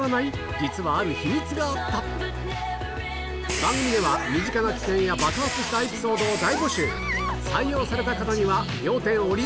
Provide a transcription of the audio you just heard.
実はある秘密があった番組では身近な危険や爆発したエピソードを大募集ご応募